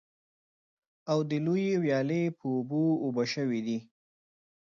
او د لویې ويالې په اوبو اوبه شوي دي.